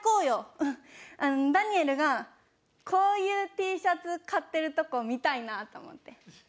ダニエルがこういうＴシャツ買ってるとこ見たいなと思って。